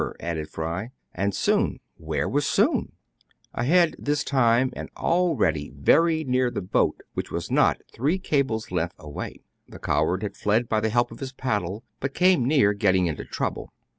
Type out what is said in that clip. added Fry. And Soun } Where was Soun } Ahead this 242 TRIBULATIONS OF A CHINAMAN. time, and already very near the boat, which was not three cables* length away. The coward had fled by the help of his paddle, but came near getting into trouble.